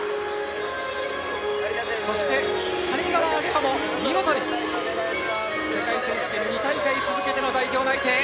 そして谷川亜華葉も見事に世界選手権２大会続けての代表内定！